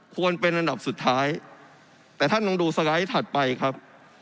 ควรเป็นอันดับสุดท้ายแต่ท่านลองดูสไลด์ถัดไปครับ